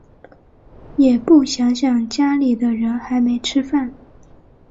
也不想想家里的人还没吃饭